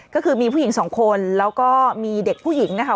ก็คือมีผู้หญิงสองคนแล้วก็มีเด็กผู้หญิงนะคะ